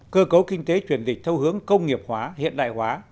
cơ cấu kinh tế chuyển dịch theo hướng công nghiệp hóa hiện đại hóa